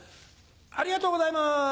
ありがとうございます！